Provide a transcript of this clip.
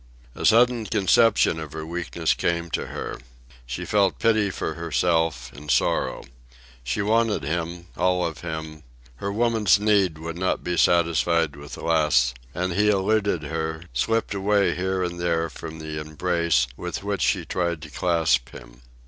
A sudden conception of her weakness came to her. She felt pity for herself, and sorrow. She wanted him, all of him, her woman's need would not be satisfied with less; and he eluded her, slipped away here and there from the embrace with which she tried to clasp him.